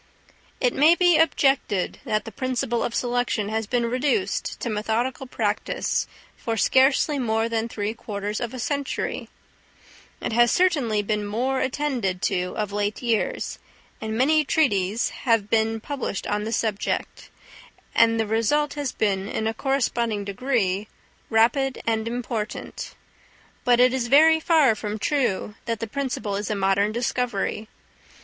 It may be objected that the principle of selection has been reduced to methodical practice for scarcely more than three quarters of a century; it has certainly been more attended to of late years, and many treatises have been published on the subject; and the result has been, in a corresponding degree, rapid and important. But it is very far from true that the principle is a modern discovery.